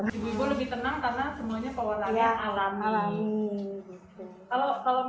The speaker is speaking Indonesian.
ibu ibu lebih tenang karena semuanya pewarna alami